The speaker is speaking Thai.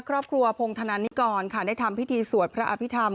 ครอบครัวพงธนานิกรค่ะได้ทำพิธีสวดพระอภิษฐรร